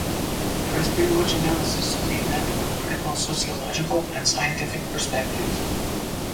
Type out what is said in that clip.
There has been much analysis of the event from critical sociological and scientific perspectives.